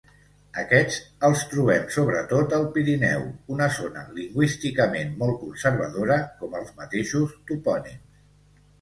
Aquests els trobem sobretot al Pirineu, una zona lingüísticament molt conservadora, com els mateixos topònims.